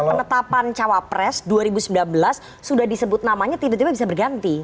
jadi penerapan cawa press dua ribu sembilan belas sudah disebut namanya tiba tiba bisa berganti